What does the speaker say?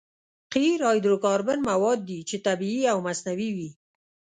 قیر هایدرو کاربن مواد دي چې طبیعي او مصنوعي وي